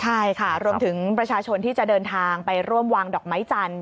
ใช่ค่ะรวมถึงประชาชนที่จะเดินทางไปร่วมวางดอกไม้จันทร์